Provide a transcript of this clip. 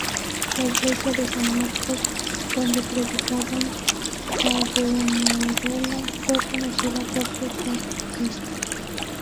La iglesia de San Marcos donde predicaba Savonarola fue conocida por su fanatismo.